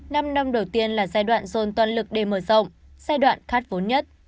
năm năm đầu tiên là giai đoạn dồn toàn lực để mở rộng giai đoạn khát vốn nhất